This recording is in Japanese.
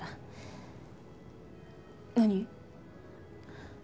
何？